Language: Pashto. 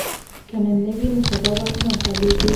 که نن نه وي نو سبا به حتما قبلیږي